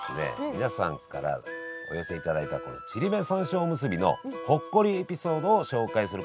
皆さんからお寄せいただいたこのちりめん山椒おむすびのほっこりエピソードを紹介するコーナーです！